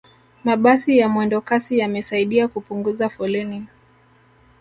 mabasi ya mwendokasi yamesaidia kupunguza foleni